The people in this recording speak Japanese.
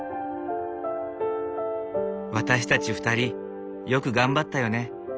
「私たち２人よく頑張ったよね」。